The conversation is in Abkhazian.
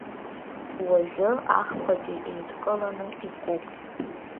Уажәы ахԥагьы еидкыланы икуп.